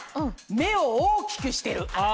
目を大きくしてる。